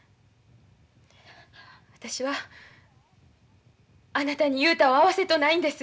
私はあなたに雄太を会わせとうないんです。